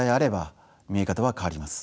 方は変わります。